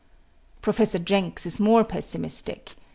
Professor Jenks is more pessimistic.